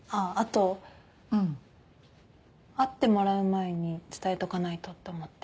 会ってもらう前に伝えとかないとって思って。